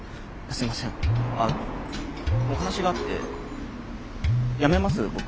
すいませんお話があって辞めます僕。